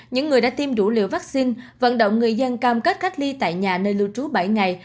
những người đã tiêm đủ liều vaccine vận động người dân cam kết cách ly tại nhà nơi lưu trú bảy ngày